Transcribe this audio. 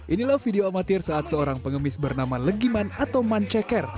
inilah video amatir saat seorang pengemis bernama legiman atau man ceker